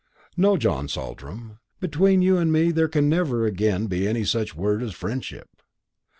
"No, John Saltram, between you and me there can never again be any such word as friendship.